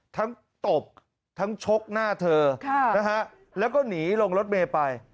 ทั้งตบทั้งชกหน้าเธอแล้วก็หนีลงรถเมย์ไป